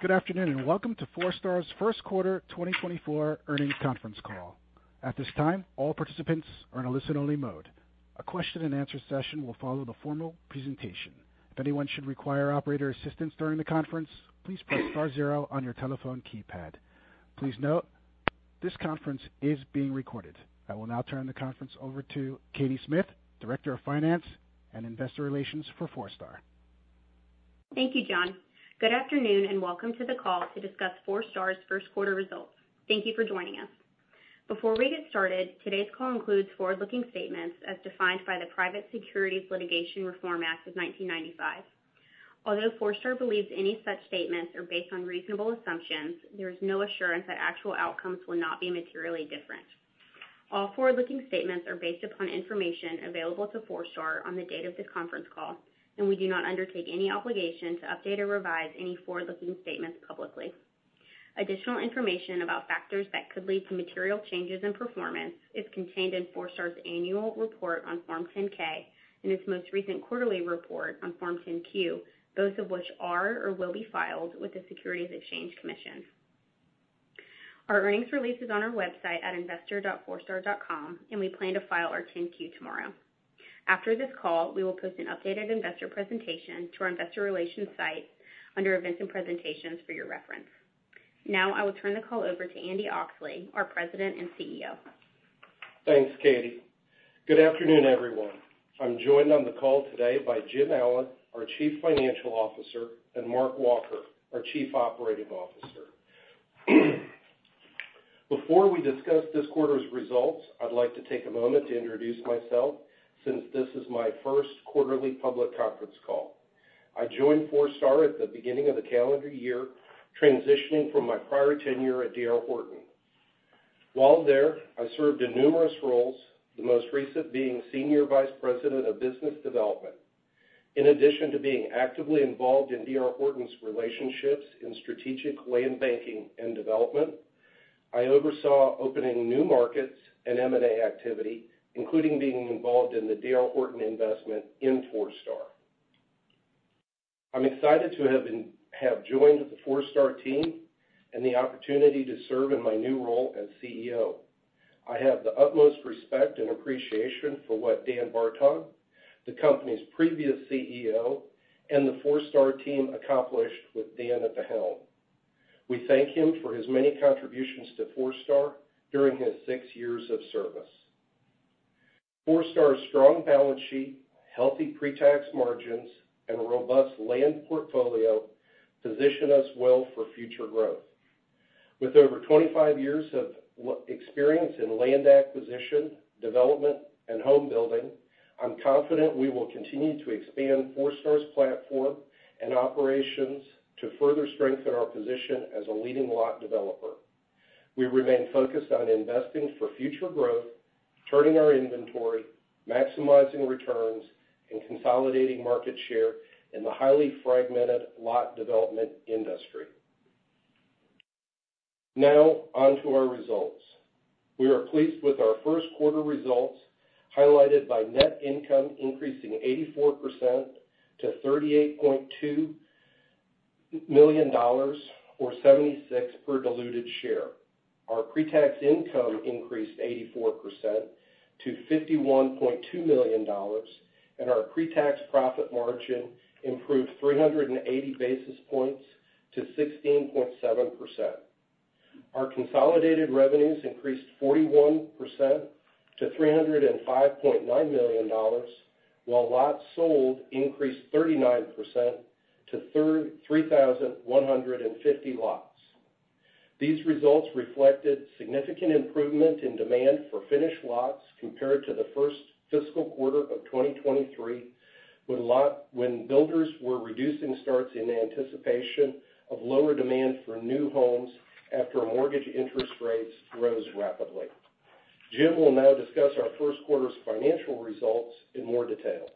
Good afternoon, and welcome to Forestar's first quarter 2024 earnings conference call. At this time, all participants are in a listen-only mode. A question-and-answer session will follow the formal presentation. If anyone should require operator assistance during the conference, please press star zero on your telephone keypad. Please note, this conference is being recorded. I will now turn the conference over to Katie Smith, Director of Finance and Investor Relations for Forestar. Thank you, John. Good afternoon, and welcome to the call to discuss Forestar's first quarter results. Thank you for joining us. Before we get started, today's call includes forward-looking statements as defined by the Private Securities Litigation Reform Act of 1995. Although Forestar believes any such statements are based on reasonable assumptions, there is no assurance that actual outcomes will not be materially different. All forward-looking statements are based upon information available to Forestar on the date of this conference call, and we do not undertake any obligation to update or revise any forward-looking statements publicly. Additional information about factors that could lead to material changes in performance is contained in Forestar's annual report on Form 10-K and its most recent quarterly report on Form 10-Q, both of which are or will be filed with the Securities and Exchange Commission. Our earnings release is on our website at investor.forestar.com, and we plan to file our 10-Q tomorrow. After this call, we will post an updated investor presentation to our investor relations site under Events and Presentations for your reference. Now, I will turn the call over to Andy Oxley, our President and CEO. Thanks, Katie. Good afternoon, everyone. I'm joined on the call today by Jim Allen, our Chief Financial Officer, and Mark Walker, our Chief Operating Officer. Before we discuss this quarter's results, I'd like to take a moment to introduce myself since this is my first quarterly public conference call. I joined Forestar at the beginning of the calendar year, transitioning from my prior tenure at D.R. Horton. While there, I served in numerous roles, the most recent being Senior Vice President of Business Development. In addition to being actively involved in D.R. Horton's relationships in strategic land banking and development, I oversaw opening new markets and M&A activity, including being involved in the D.R. Horton investment in Forestar. I'm excited to have joined the Forestar team and the opportunity to serve in my new role as CEO. I have the utmost respect and appreciation for what Dan Bartok, the company's previous CEO, and the Forestar team accomplished with Dan at the helm. We thank him for his many contributions to Forestar during his six years of service. Forestar's strong balance sheet, healthy pretax margins, and robust land portfolio position us well for future growth. With over 25 years of experience in land acquisition, development, and home building, I'm confident we will continue to expand Forestar's platform and operations to further strengthen our position as a leading lot developer. We remain focused on investing for future growth, turning our inventory, maximizing returns, and consolidating market share in the highly fragmented lot development industry. Now, on to our results. We are pleased with our first quarter results, highlighted by net income increasing 84% to $38.2 million, or $0.76 per diluted share. Our pretax income increased 84% to $51.2 million, and our pretax profit margin improved 380 basis points to 16.7%. Our consolidated revenues increased 41% to $305.9 million, while lots sold increased 39% to 3,150 lots. These results reflected significant improvement in demand for finished lots compared to the first fiscal quarter of 2023, when builders were reducing starts in anticipation of lower demand for new homes after mortgage interest rates rose rapidly. Jim will now discuss our first quarter's financial results in more detail.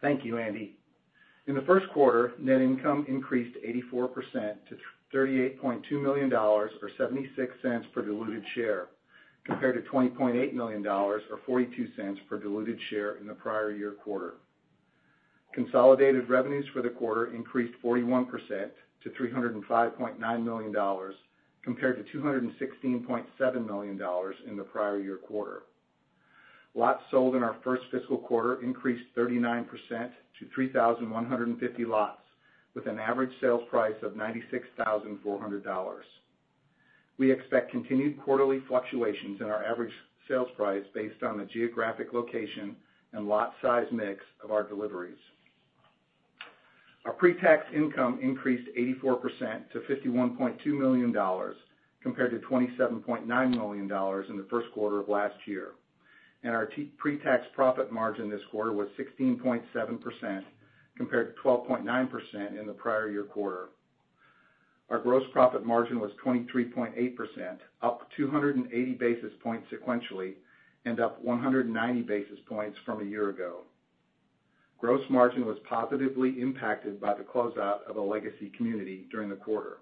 Thank you, Andy. In the first quarter, net income increased 84% to $38.2 million, or $0.76 per diluted share, compared to $20.8 million, or $0.42 per diluted share in the prior year quarter. Consolidated revenues for the quarter increased 41% to $305.9 million, compared to $216.7 million in the prior year quarter. Lots sold in our first fiscal quarter increased 39% to 3,150 lots, with an average sales price of $96,400. We expect continued quarterly fluctuations in our average sales price based on the geographic location and lot size mix of our deliveries. Our pretax income increased 84% to $51.2 million, compared to $27.9 million in the first quarter of last year, and our pretax profit margin this quarter was 16.7%, compared to 12.9% in the prior year quarter. Our gross profit margin was 23.8%, up 280 basis points sequentially and up 190 basis points from a year ago. Gross margin was positively impacted by the closeout of a legacy community during the quarter.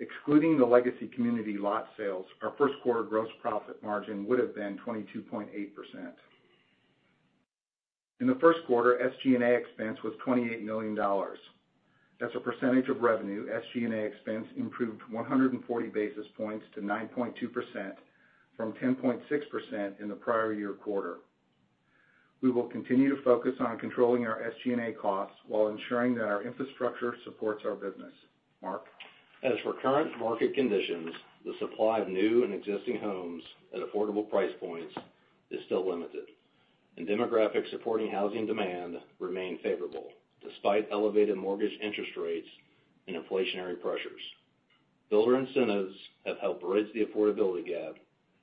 Excluding the legacy community lot sales, our first quarter gross profit margin would have been 22.8%. In the first quarter, SG&A expense was $28 million. As a percentage of revenue, SG&A expense improved 140 basis points to 9.2%, from 10.6% in the prior year quarter. We will continue to focus on controlling our SG&A costs while ensuring that our infrastructure supports our business. Mark? As for current market conditions, the supply of new and existing homes at affordable price points is still limited, and demographics supporting housing demand remain favorable, despite elevated mortgage interest rates and inflationary pressures. Builder incentives have helped bridge the affordability gap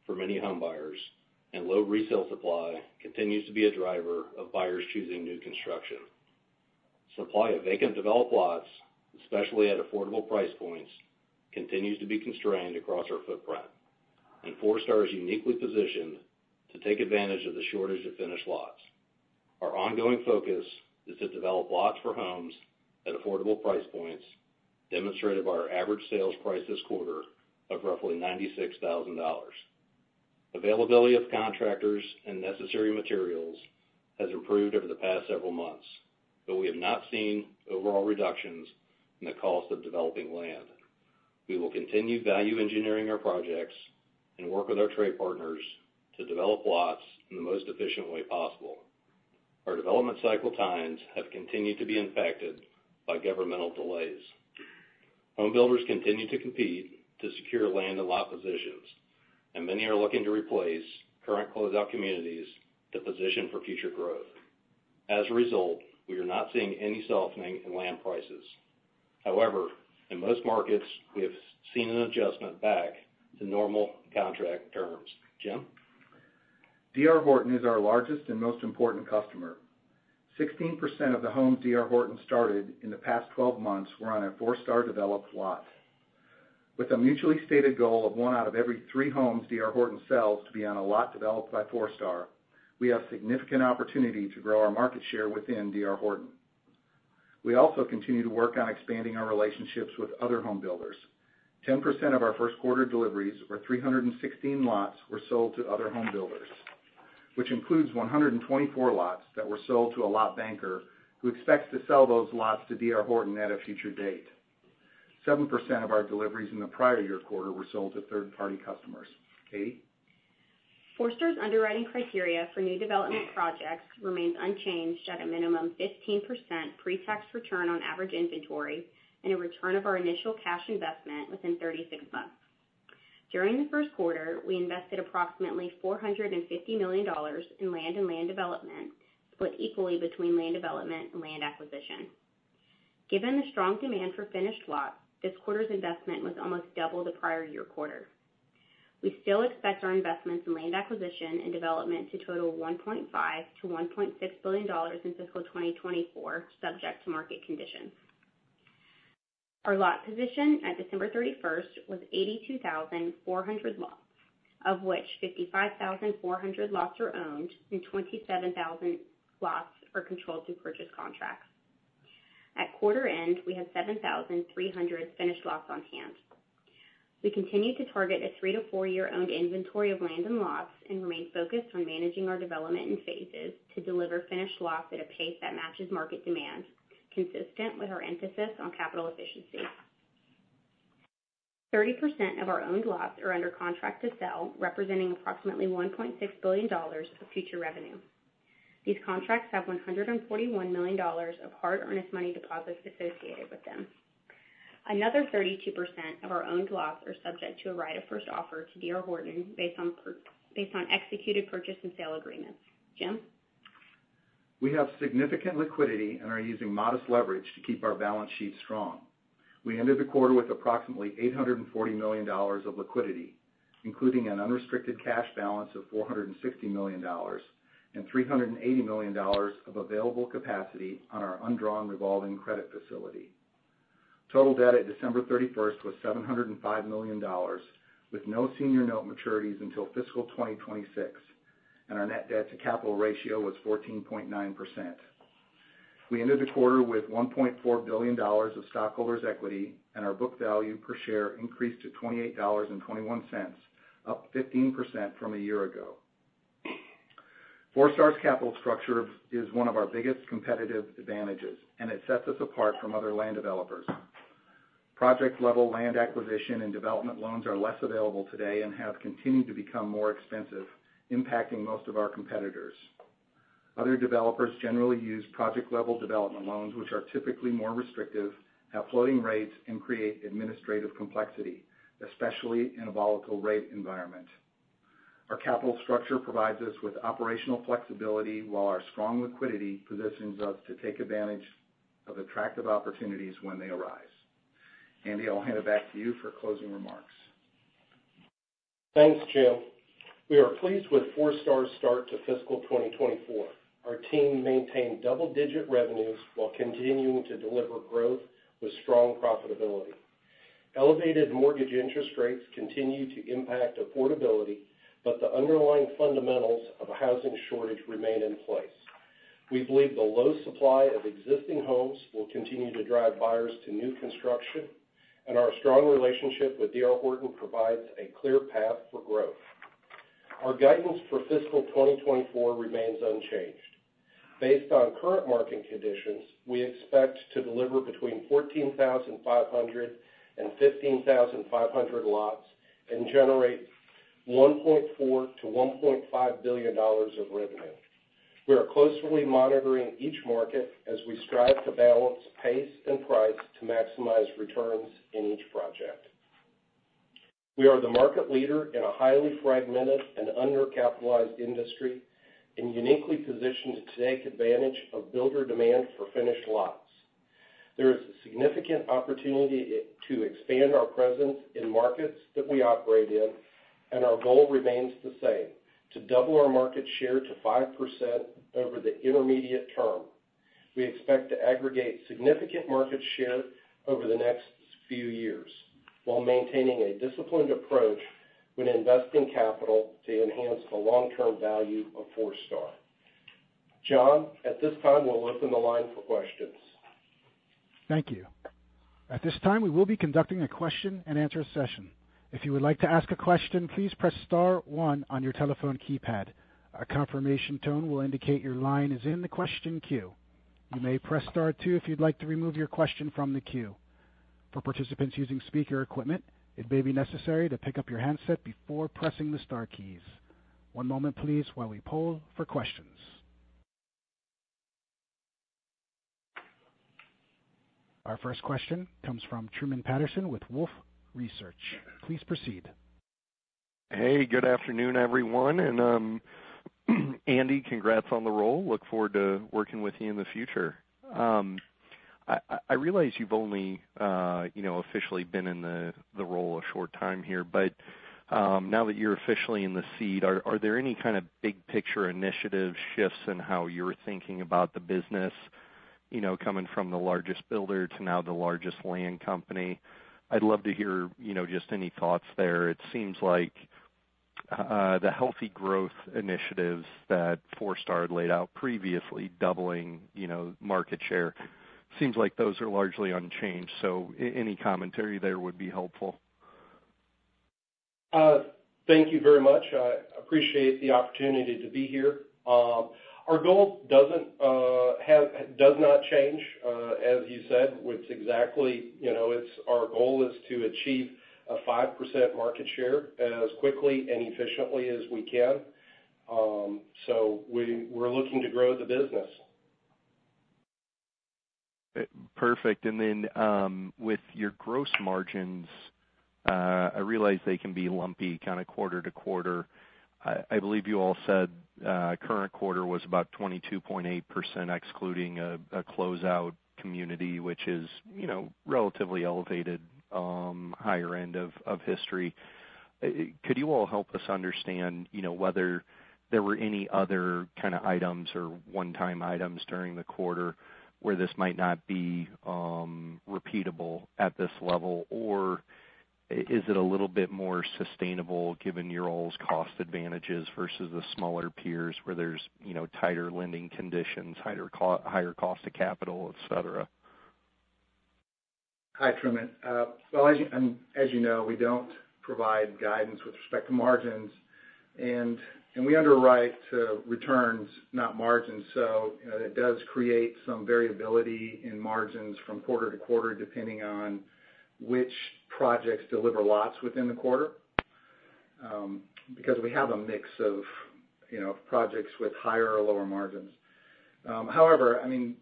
for many home buyers, and low resale supply continues to be a driver of buyers choosing new construction. Supply of vacant developed lots, especially at affordable price points, continues to be constrained across our footprint, and Forestar is uniquely positioned to take advantage of the shortage of finished lots. Our ongoing focus is to develop lots for homes at affordable price points, demonstrated by our average sales price this quarter of roughly $96,000. Availability of contractors and necessary materials has improved over the past several months, but we have not seen overall reductions in the cost of developing land. We will continue value engineering our projects and work with our trade partners to develop lots in the most efficient way possible. Our development cycle times have continued to be impacted by governmental delays. Home builders continue to compete to secure land and lot positions, and many are looking to replace current closed-out communities to position for future growth. As a result, we are not seeing any softening in land prices. However, in most markets, we have seen an adjustment back to normal contract terms. Jim? D.R. Horton is our largest and most important customer. 16% of the homes D.R. Horton started in the past 12 months were on a Forestar-developed lot. With a mutually stated goal of one out of every three homes D.R. Horton sells to be on a lot developed by Forestar, we have significant opportunity to grow our market share within D.R. Horton. We also continue to work on expanding our relationships with other home builders. 10% of our first quarter deliveries, or 316 lots, were sold to other home builders, which includes 124 lots that were sold to a lot banker, who expects to sell those lots to D.R. Horton at a future date. 7% of our deliveries in the prior year quarter were sold to third-party customers. Katie? Forestar's underwriting criteria for new development projects remains unchanged at a minimum 15% pretax return on average inventory and a return of our initial cash investment within 36 months. During the first quarter, we invested approximately $450 million in land and land development, split equally between land development and land acquisition. Given the strong demand for finished lots, this quarter's investment was almost double the prior year quarter. We still expect our investments in land acquisition and development to total $1.5 billion-$1.6 billion in fiscal 2024, subject to market conditions. Our lot position at December 31st was 82,400 lots, of which 55,400 lots are owned and 27,000 lots are controlled through purchase contracts. At quarter end, we had 7,300 finished lots on hand. We continue to target a three- to four-year owned inventory of land and lots, and remain focused on managing our development in phases to deliver finished lots at a pace that matches market demand, consistent with our emphasis on capital efficiency. 30% of our owned lots are under contract to sell, representing approximately $1.6 billion of future revenue. These contracts have $141 million of hard, earnest money deposits associated with them. Another 32% of our owned lots are subject to a right of first offer to D.R. Horton, based on executed purchase and sale agreements. Jim? We have significant liquidity and are using modest leverage to keep our balance sheet strong. We ended the quarter with approximately $840 million of liquidity, including an unrestricted cash balance of $460 million and $380 million of available capacity on our undrawn revolving credit facility. Total debt at December 31st was $705 million, with no senior note maturities until fiscal 2026, and our net debt to capital ratio was 14.9%. We ended the quarter with $1.4 billion of stockholders' equity, and our book value per share increased to $28.21, up 15% from a year ago. Forestar's capital structure is one of our biggest competitive advantages, and it sets us apart from other land developers. Project-level land acquisition and development loans are less available today and have continued to become more expensive, impacting most of our competitors. Other developers generally use project-level development loans, which are typically more restrictive, have floating rates, and create administrative complexity, especially in a volatile rate environment. Our capital structure provides us with operational flexibility, while our strong liquidity positions us to take advantage of attractive opportunities when they arise. Andy, I'll hand it back to you for closing remarks. Thanks, Jim. We are pleased with Forestar's start to fiscal 2024. Our team maintained double-digit revenues while continuing to deliver growth with strong profitability. Elevated mortgage interest rates continue to impact affordability, but the underlying fundamentals of a housing shortage remain in place. We believe the low supply of existing homes will continue to drive buyers to new construction and our strong relationship with D.R. Horton provides a clear path for growth. Our guidance for fiscal 2024 remains unchanged. Based on current market conditions, we expect to deliver between 14,500 and 15,500 lots and generate $1.4 billion-$1.5 billion of revenue. We are closely monitoring each market as we strive to balance pace and price to maximize returns in each project. We are the market leader in a highly fragmented and undercapitalized industry, and uniquely positioned to take advantage of builder demand for finished lots. There is a significant opportunity to expand our presence in markets that we operate in, and our goal remains the same, to double our market share to 5% over the intermediate term. We expect to aggregate significant market share over the next few years, while maintaining a disciplined approach when investing capital to enhance the long-term value of Forestar. John, at this time, we'll open the line for questions. Thank you. At this time, we will be conducting a question-and-answer session. If you would like to ask a question, please press star one on your telephone keypad. A confirmation tone will indicate your line is in the question queue. You may press star two if you'd like to remove your question from the queue. For participants using speaker equipment, it may be necessary to pick up your handset before pressing the star keys. One moment, please, while we poll for questions. Our first question comes from Truman Patterson with Wolfe Research. Please proceed. Hey, good afternoon, everyone. And, Andy, congrats on the role. Look forward to working with you in the future. I realize you've only, you know, officially been in the role a short time here, but, now that you're officially in the seat, are there any kind of big picture initiative shifts in how you're thinking about the business, you know, coming from the largest builder to now the largest land company? I'd love to hear, you know, just any thoughts there. It seems like, the healthy growth initiatives that Forestar had laid out previously, doubling, you know, market share, seems like those are largely unchanged. So any commentary there would be helpful. Thank you very much. I appreciate the opportunity to be here. Our goal does not change, as you said, which exactly, you know, it's our goal is to achieve a 5% market share as quickly and efficiently as we can. So we're looking to grow the business. Perfect. And then, with your gross margins, I realize they can be lumpy kind of quarter-to-quarter. I, I believe you all said, current quarter was about 22.8%, excluding a, a closeout community, which is, you know, relatively elevated, higher end of, of history. Could you all help us understand, you know, whether there were any other kind of items or one-time items during the quarter, where this might not be, repeatable at this level? Or is it a little bit more sustainable given your all's cost advantages versus the smaller peers where there's, you know, tighter lending conditions, higher cost of capital, et cetera? Hi, Truman. Well, as you know, we don't provide guidance with respect to margins, and we underwrite to returns, not margins. So, it does create some variability in margins from quarter-to-quarter, depending on which projects deliver lots within the quarter, because we have a mix of, you know, projects with higher or lower margins. However, I mean,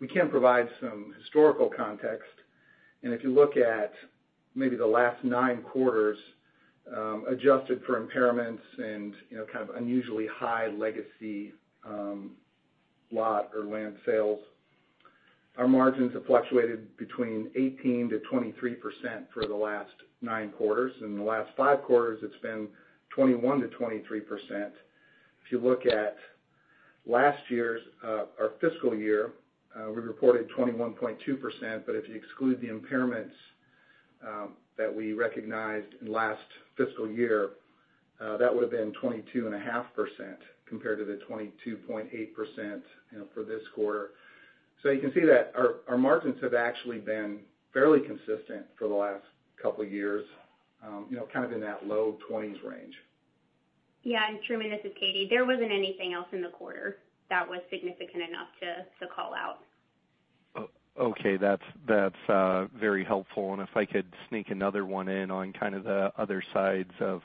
we can provide some historical context, and if you look at maybe the last nine quarters, adjusted for impairments and, you know, kind of unusually high legacy lot or land sales, our margins have fluctuated between 18%-23% for the last nine quarters. In the last five quarters, it's been 21%-23%. If you look at last year's, or fiscal year, we reported 21.2%, but if you exclude the impairments, that we recognized in last fiscal year, that would have been 22.5% compared to the 22.8%, you know, for this quarter. So you can see that our, our margins have actually been fairly consistent for the last couple of years, you know, kind of in that low twenties range. Yeah, and Truman, this is Katie. There wasn't anything else in the quarter that was significant enough to call out. Okay, that's very helpful. And if I could sneak another one in on kind of the other sides of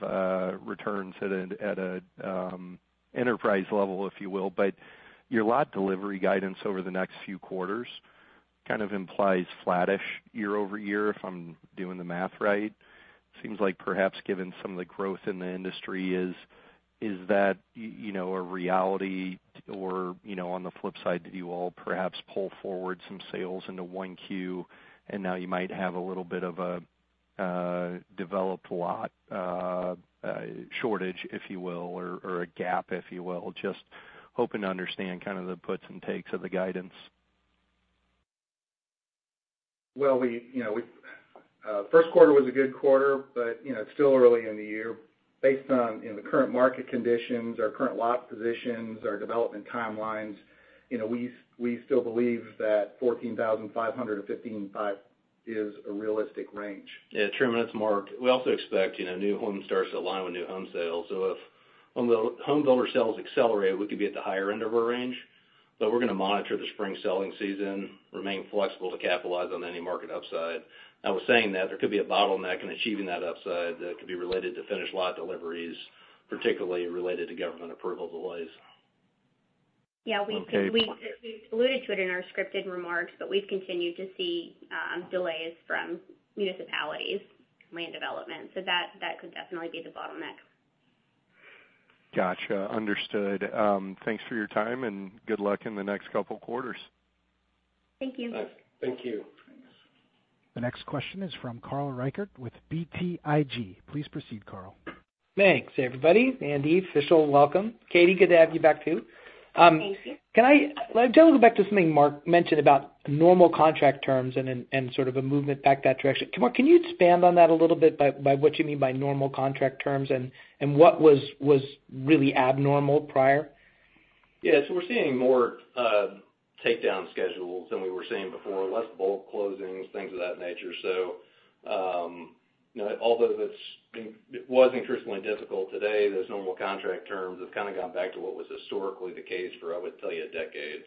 returns at an enterprise level, if you will, but your lot delivery guidance over the next few quarters kind of implies flattish year-over-year, if I'm doing the math right. Seems like perhaps given some of the growth in the industry, is that, you know, a reality? Or, you know, on the flip side, did you all perhaps pull forward some sales into one Q, and now you might have a little bit of a developed lot shortage, if you will, or a gap, if you will? Just hoping to understand kind of the puts and takes of the guidance. Well, we, you know, first quarter was a good quarter, but, you know, it's still early in the year based on, you know, the current market conditions, our current lot positions, our development timelines, you know, we still believe that 14,500-15,500 lots is a realistic range. Yeah, Truman, it's Mark. We also expect, you know, new home starts to align with new home sales. So if when the homebuilder sales accelerate, we could be at the higher end of our range. But we're going to monitor the spring selling season, remain flexible to capitalize on any market upside. Now, with saying that, there could be a bottleneck in achieving that upside that could be related to finished lot deliveries, particularly related to government approval delays. Yeah, we- Okay. We, we've alluded to it in our scripted remarks, but we've continued to see, delays from municipalities, land development. So that could definitely be the bottleneck. Gotcha. Understood. Thanks for your time, and good luck in the next couple quarters. Thank you. Thank you. The next question is from Carl Reichardt with BTIG. Please proceed, Carl. Thanks, everybody. Andy, official welcome. Katie, good to have you back, too. Thank you. Let me go back to something Mark mentioned about normal contract terms and then sort of a movement back that direction. Mark, can you expand on that a little bit by what you mean by normal contract terms and what was really abnormal prior? Yeah, so we're seeing more takedown schedules than we were seeing before, less bulk closings, things of that nature. So, you know, although that's, it was interestingly difficult, today, those normal contract terms have kind of gone back to what was historically the case for, I would tell you, a decade.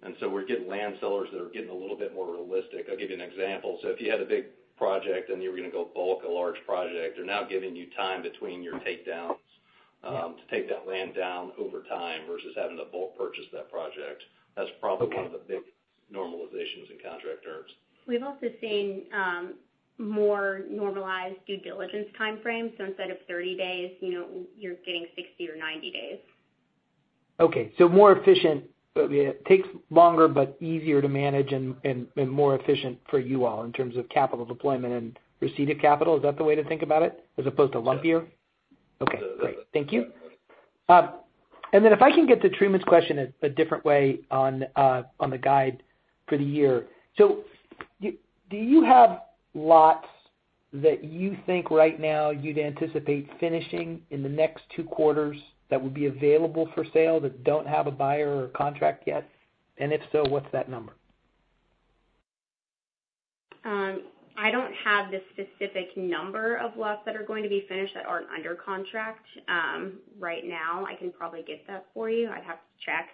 And so we're getting land sellers that are getting a little bit more realistic. I'll give you an example. So if you had a big project, and you were going to go bulk a large project, they're now giving you time between your takedowns, to take that land down over time versus having to bulk purchase that project. That's probably one of the big normalizations in contract terms. We've also seen, more normalized due diligence timeframes. So instead of 30 days, you know, you're getting 60 or 90 days. Okay, so more efficient, but it takes longer, but easier to manage and more efficient for you all in terms of capital deployment and receipt of capital. Is that the way to think about it, as opposed to lumpier? Yes. Okay, great. Thank you. Yeah. And then if I can get to Truman's question a different way on the guide for the year. So do you have lots that you think right now you'd anticipate finishing in the next two quarters that would be available for sale that don't have a buyer or contract yet? And if so, what's that number? I don't have the specific number of lots that are going to be finished that aren't under contract, right now. I can probably get that for you. I'd have to check.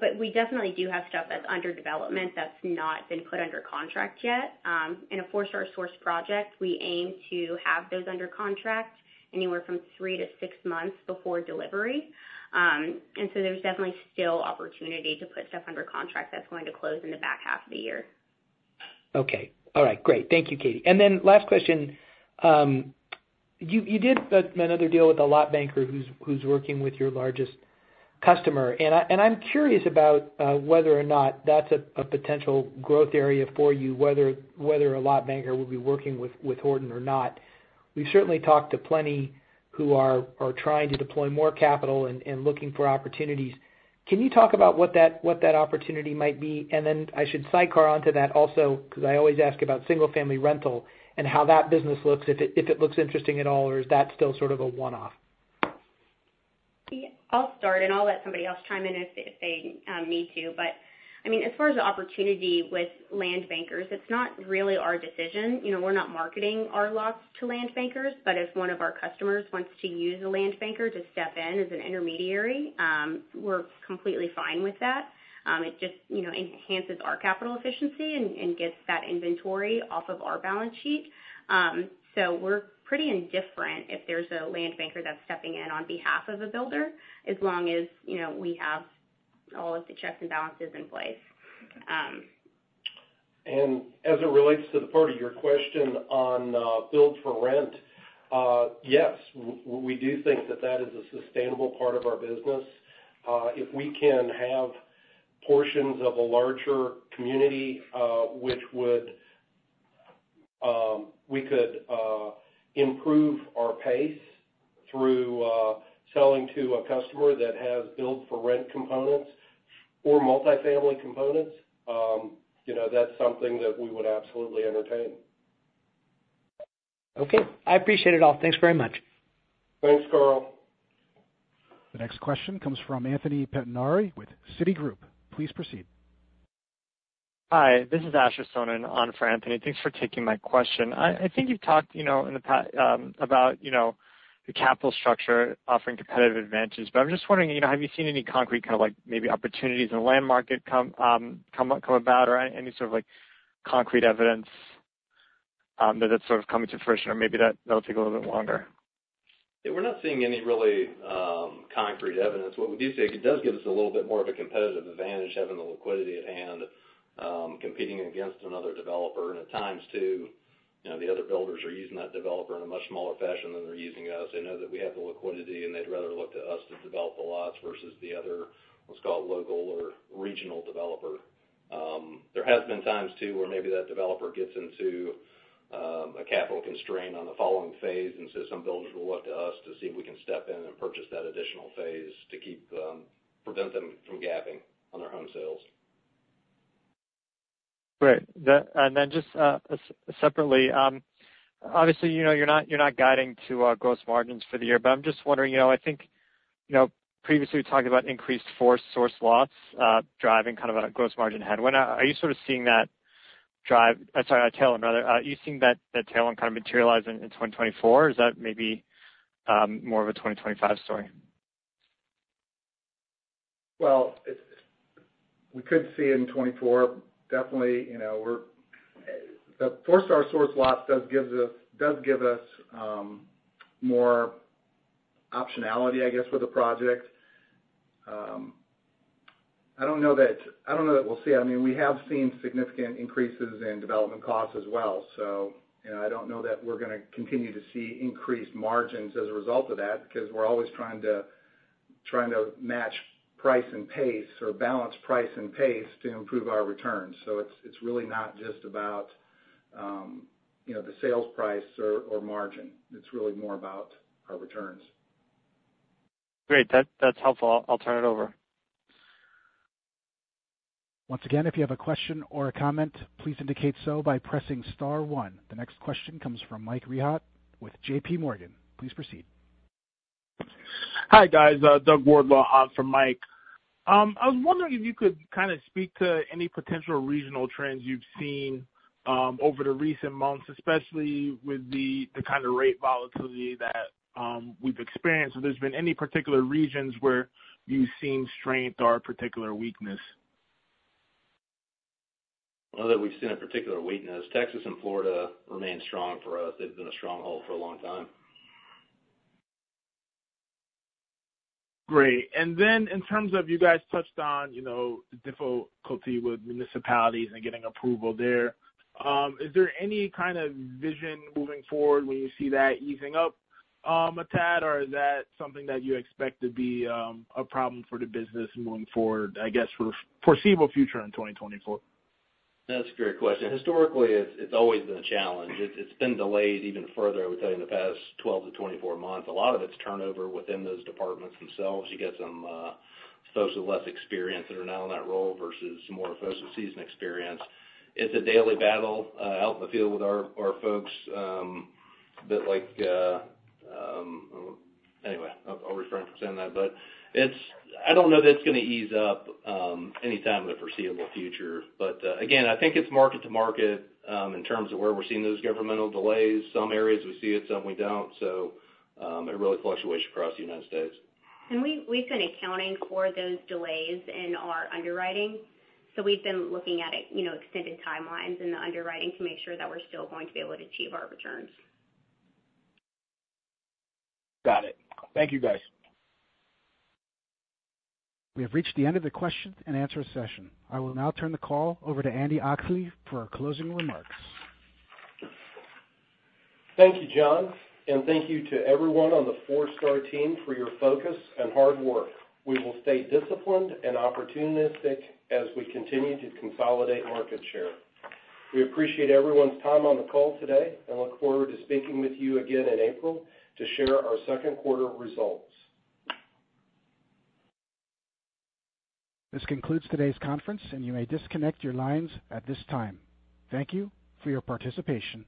But we definitely do have stuff that's under development that's not been put under contract yet. In a Forestar project, we aim to have those under contract anywhere from three-six months before delivery. And so there's definitely still opportunity to put stuff under contract that's going to close in the back half of the year. Okay. All right, great. Thank you, Katie. And then last question, you did another deal with a lot banker who's working with your largest customer. And I'm curious about whether or not that's a potential growth area for you, whether a lot banker will be working with Horton or not. We've certainly talked to plenty who are trying to deploy more capital and looking for opportunities. Can you talk about what that opportunity might be? And then I should sidecar onto that also, because I always ask about single family rental and how that business looks, if it looks interesting at all, or is that still sort of a one-off? Yeah, I'll start, and I'll let somebody else chime in if they need to. But, I mean, as far as the opportunity with land bankers, it's not really our decision. You know, we're not marketing our lots to land bankers, but if one of our customers wants to use a land banker to step in as an intermediary, we're completely fine with that. It just, you know, enhances our capital efficiency and gets that inventory off of our balance sheet. So we're pretty indifferent if there's a land banker that's stepping in on behalf of a builder, as long as, you know, we have all of the checks and balances in place. As it relates to the part of your question on build-for-rent, yes, we do think that that is a sustainable part of our business. If we can have portions of a larger community, which would improve our pace through selling to a customer that has build-for-rent components or multifamily components, you know, that's something that we would absolutely entertain. Okay. I appreciate it all. Thanks very much. Thanks, Carl. The next question comes from Anthony Pettinari with Citigroup. Please proceed. Hi, this is Asher Sohnen on for Anthony. Thanks for taking my question. I think you've talked, you know, in the past about, you know, the capital structure offering competitive advantages. But I'm just wondering, you know, have you seen any concrete, kind of like, maybe opportunities in the land market come about, or any sort of like concrete evidence that it's sort of coming to fruition, or maybe that'll take a little bit longer? Yeah, we're not seeing any really concrete evidence. What we do see, it does give us a little bit more of a competitive advantage, having the liquidity at hand, competing against another developer. And at times, too, you know, the other builders are using that developer in a much smaller fashion than they're using us. They know that we have the liquidity, and they'd rather look to us to develop the lots versus the other, let's call it, local or regional developer. There has been times, too, where maybe that developer gets into a capital constraint on the following phase, and so some builders will look to us to see if we can step in and purchase that additional phase to keep prevent them from gapping on their home sales. Great. And then just separately, obviously, you know, you're not, you're not guiding to gross margins for the year, but I'm just wondering, you know, I think, you know, previously we talked about increased Forestar lots driving kind of a gross margin headwind. Are you sort of seeing that—I'm sorry, a tailwind rather. Are you seeing that, that tailwind kind of materialize in 2024? Is that maybe more of a 2025 story? Well, it's, we could see it in 2024. Definitely, you know, we're the Forestar-sourced lots does give us more optionality, I guess, with the project. I don't know that, I don't know that we'll see. I mean, we have seen significant increases in development costs as well. So, you know, I don't know that we're gonna continue to see increased margins as a result of that, because we're always trying to match price and pace or balance price and pace to improve our returns. So it's really not just about, you know, the sales price or margin. It's really more about our returns. Great. That, that's helpful. I'll turn it over. Once again, if you have a question or a comment, please indicate so by pressing star one. The next question comes from Mike Rehaut with JPMorgan. Please proceed. Hi, guys, Doug Wardlaw on for Mike. I was wondering if you could kind of speak to any potential regional trends you've seen over the recent months, especially with the kind of rate volatility that we've experienced. So there's been any particular regions where you've seen strength or a particular weakness? Not that we've seen a particular weakness. Texas and Florida remain strong for us. They've been a stronghold for a long time. Great. And then in terms of, you guys touched on, you know, the difficulty with municipalities and getting approval there, is there any kind of vision moving forward when you see that easing up, a tad? Or is that something that you expect to be, a problem for the business moving forward, I guess, for foreseeable future in 2024? That's a great question. Historically, it's always been a challenge. It's been delayed even further, I would tell you, in the past 12-24 months. A lot of it's turnover within those departments themselves. You get some folks with less experience that are now in that role versus more folks with seasoned experience. It's a daily battle out in the field with our folks a bit like... Anyway, I'll refrain from saying that, but it's. I don't know that's gonna ease up anytime in the foreseeable future. But, again, I think it's market to market in terms of where we're seeing those governmental delays. Some areas we see it, some we don't. So, it really fluctuates across the United States. We've been accounting for those delays in our underwriting, so we've been looking at it, you know, extended timelines in the underwriting to make sure that we're still going to be able to achieve our returns. Got it. Thank you, guys. We have reached the end of the question and answer session. I will now turn the call over to Andy Oxley for our closing remarks. Thank you, John, and thank you to everyone on the Forestar team for your focus and hard work. We will stay disciplined and opportunistic as we continue to consolidate market share. We appreciate everyone's time on the call today and look forward to speaking with you again in April to share our second quarter results. This concludes today's conference, and you may disconnect your lines at this time. Thank you for your participation.